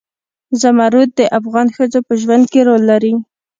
زمرد د افغان ښځو په ژوند کې رول لري.